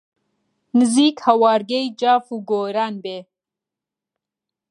نزیک هەوارگەی جاف و گۆران بێ